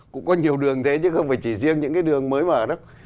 cũng có nhiều đường thế chứ không phải chỉ riêng những đường mới mở